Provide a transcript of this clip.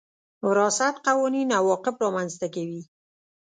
وراثت قوانين عواقب رامنځ ته کوي.